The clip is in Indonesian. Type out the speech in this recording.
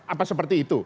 apa seperti itu